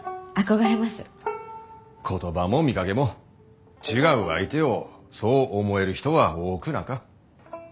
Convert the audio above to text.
言葉も見かけも違う相手をそう思える人は多くなか。